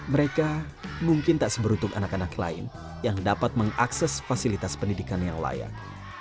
mereka mungkin tak seberuntung anak anak lain yang dapat mengakses fasilitas pendidikan yang layak